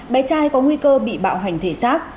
bé trai có nguy cơ bị bạo hành thể xác